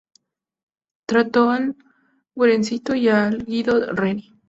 Trató al Guercino y a Guido Reni.